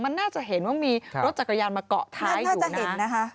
มันน่าจะเห็นว่ามีรถจักรยานมาเกาะท้ายอยู่นะ